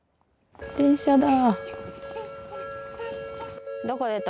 電車だ。